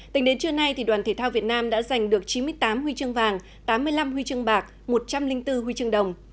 tính đến trưa nay đoàn thể thao việt nam đã giành được chín mươi tám huy chương vàng tám mươi năm huy chương bạc một trăm linh bốn huy chương đồng